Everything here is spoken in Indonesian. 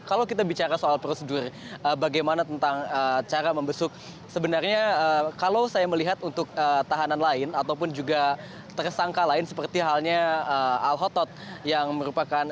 kalau kita bicara soal prosedur bagaimana tentang cara membesuk sebenarnya kalau saya melihat untuk tahanan lain ataupun juga tersangka lain seperti halnya al hotot yang merupakan